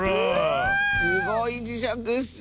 すごいじしゃくッス！